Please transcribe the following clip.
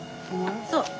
そう。